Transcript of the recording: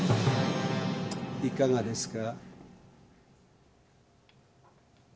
いかがですか？